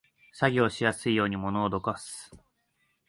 作業しやすいように物をどかす